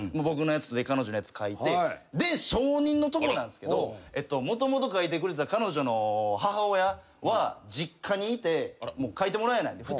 僕のやつと彼女やつ書いてで証人のとこなんすけどもともと書いてくれてた彼女の母親は実家にいてもう書いてもらえない。